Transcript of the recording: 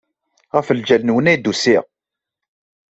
Ɣef lǧal-nwen ay d-usiɣ.